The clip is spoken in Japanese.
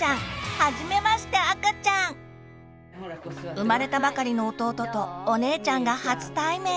生まれたばかりの弟とお姉ちゃんが初対面。